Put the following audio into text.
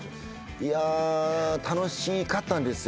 いや楽しかったんですよ